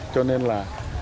cho nên là